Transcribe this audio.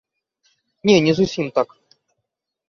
Не, не зусім так.